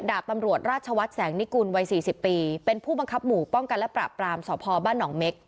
ดาบตำรวจราชวัฒน์แสงนิกุลวัยสี่สิบปีเป็นผู้บังคับหมู่ป้องกันและปราบปรามสพบ้านหนองเม็ก